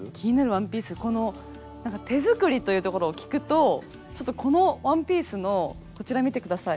この手作りというところを聞くとちょっとこのワンピースのこちら見て下さい。